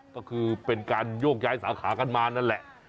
ก็คือเป็นการโยกย้ายสาขากันมานั่นแหละ